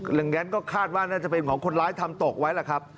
อย่างนั้นก็คาดว่าน่าจะเป็นของคนร้ายทำตกไว้ล่ะครับ